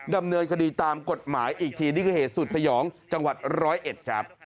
ดำเนินคดีตามกฎหมายอีกทีนี่คือเหตุสุดสยองจังหวัดร้อยเอ็ดครับ